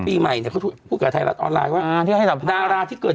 ปีใหม่เนี่ยเขาพูดกับไทยรัฐออนไลน์ว่าอ่าที่เขาให้ทำดาราที่เกิด